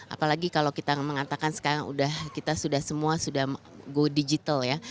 apalagi kalau kita mengatakan sekarang kita sudah semua sudah go digital ya